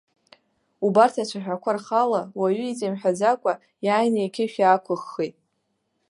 Убарҭ ацәаҳәақәа рхала, уаҩы иҵаимҳәаӡакәа, иааины иқьышә иаақәыххит.